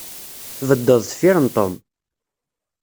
Tbeddeḍ deffir n Tom.